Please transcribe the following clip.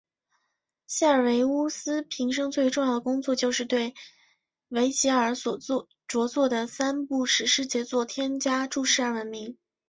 塞尔维乌斯平生最为重要的工作就是对维吉尔所着作的三部史诗杰作添加注释而闻名。